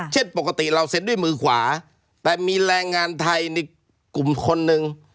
เช่นปกติเราเซ็นด้วยมือขวาแต่มีแรงงานไทยในกลุ่มคนนึง